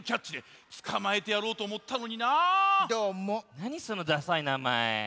なにそのダサいなまえ？